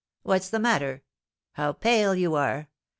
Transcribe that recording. "What's the matter? How pale you are!